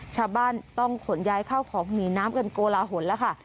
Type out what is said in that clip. ชาวบ้านต้องขนย้ายเข้าของหนีน้ำกันโกลาหลแล้วค่ะ